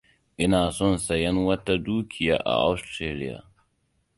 Ina son sayen wata dukiya a Australia.